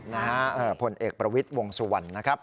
ผลเอกประวิทย์วงสุวรรณนะครับ